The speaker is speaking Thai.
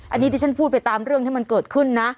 อันนี้ที่ฉันพูดไปตามเรื่องที่มันเกิดขึ้นนะ